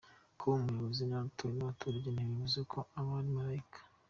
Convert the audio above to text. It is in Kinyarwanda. Kuba umuyobozi yaratowe n’abaturage ntibivuze ko aba ari malayika.